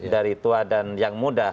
dari tua dan yang muda